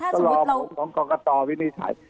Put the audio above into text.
ก็รอผมของกรกฎตอบินิจฐัย